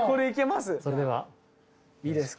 それではいいですか？